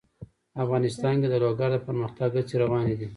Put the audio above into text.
افغانستان کې د لوگر د پرمختګ هڅې روانې دي.